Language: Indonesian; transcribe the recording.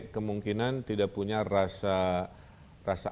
kemungkinan tidak punya rasa